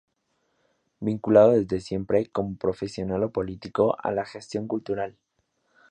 Vinculado desde siempre, como profesional o político, a la gestión cultural.